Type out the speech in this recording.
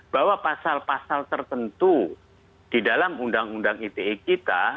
bahwa pasal pasal tertentu di dalam undang undang ite kita